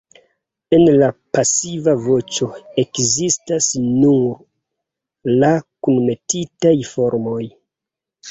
En la pasiva voĉo ekzistas nur la kunmetitaj formoj.